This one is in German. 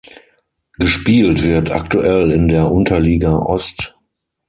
Gespielt wird aktuell in der Unterliga Ost.